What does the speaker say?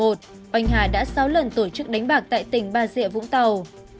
oanh hà đã sáu lần tổ chức đánh bạc tại tỉnh bà diệ vũng tàu